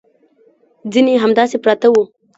ځینې همداسې پراته وو.